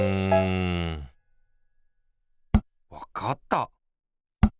わかった！